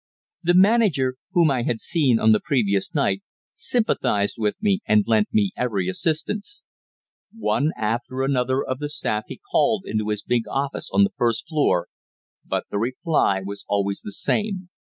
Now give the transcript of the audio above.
The manager, whom I had seen on the previous night, sympathized with me, and lent me every assistance. One after another of the staff he called into his big office on the first floor, but the reply was always the same.